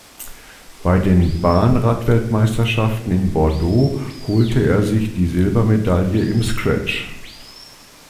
Bei den Bahn-Radweltmeisterschaften in Bordeaux holte er sich die Silbermedaille im Scratch.